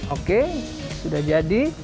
oke sudah jadi